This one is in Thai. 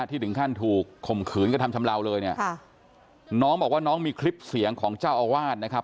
ที่ถึงขั้นถูกคมขืนก็ทำชำลาวเลยน้องบอกว่าน้องมีคลิปเสียงค่ะ